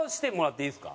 いいですよ。